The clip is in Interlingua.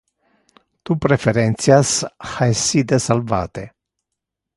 Tu preferentias ha essite salvate.